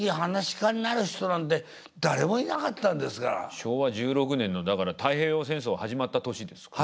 昭和１６年のだから太平洋戦争始まった年ですかね。